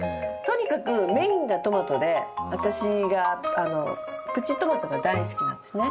とにかくメインがトマトで私がプチトマトが大好きなんですね。